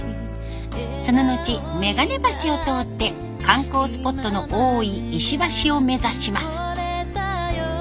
その後めがね橋を通って観光スポットの多い石橋を目指します。